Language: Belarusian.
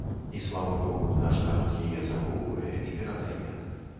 І слава богу, наш народ яе захоўвае і перадае.